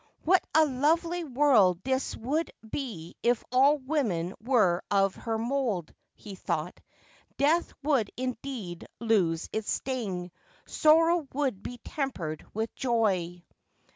' What a lovely world this would be if all women were of her mould !' he thought. ' Death would, indeed, lose its sting, sorrow would be tempered with joy.'